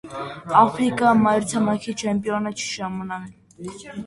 Աֆրիկա մայրցամաքի չեմպիոնը չի ժամանել։